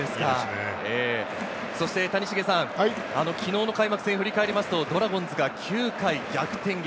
谷繁さん、昨日の開幕戦を振り返りますと、ドラゴンズが９回逆転劇。